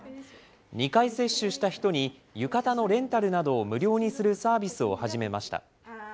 ２回接種した人に、浴衣のレンタルなどを無料にするサービスを始めました。